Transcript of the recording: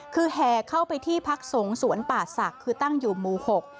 คือแห่เข้าไปที่พักสงฆ์สวนป่าศักดิ์คือตั้งอยู่หมู่หก